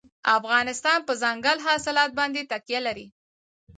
افغانستان په دځنګل حاصلات باندې تکیه لري.